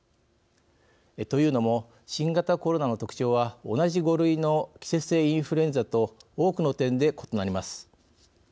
というのも、新型コロナの特徴は同じ５類の季節性インフルエンザと多くの点で異なります。